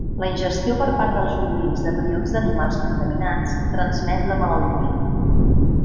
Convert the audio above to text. La ingestió per part dels bovins de prions d'animals contaminats transmet la malaltia.